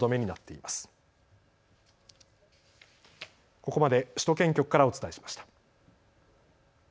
ここまで首都圏局からお伝えしました。